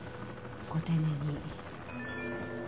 ご丁寧に。